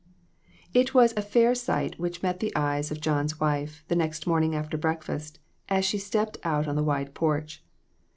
IT was a fair sight which met the eyes of John's wife, the next morning after breakfast, as she stepped out on the wide porch.